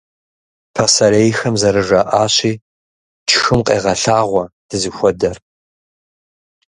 Пасэрейхэм зэрыжаӀащи, «тшхым къегъэлъагъуэ дызыхуэдэр».